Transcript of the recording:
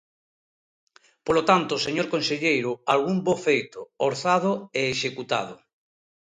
Polo tanto, señor conselleiro, algún bo feito, orzado, e executado.